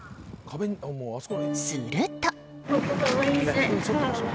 すると。